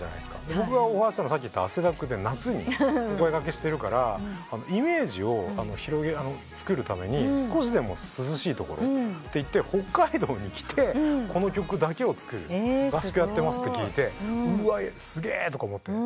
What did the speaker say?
僕がオファーしたのはさっき言った汗だくで夏にお声掛けしてるからイメージをつくるために少しでも涼しいところと北海道に来てこの曲だけを作る合宿やってますと聞いて「うわ。すげえ」とか思って。